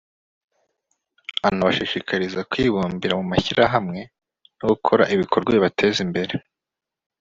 anabashishikariza kwibumbira mu mashyirahamwe no gukora ibikorwa bibateza imbere